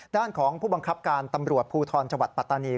ด้านของผู้บังคับการตำรวจภูทรจังหวัดปัตตานี